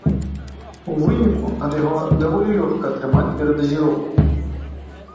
У выніку, ад яго даволі лёгка атрымаць перадазіроўку.